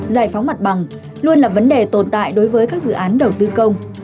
giải phóng mặt bằng luôn là vấn đề tồn tại đối với các dự án đầu tư công